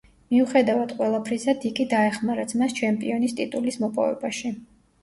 მიუხედავად ყველაფრისა, დიკი დაეხმარა ძმას ჩემპიონის ტიტულის მოპოვებაში.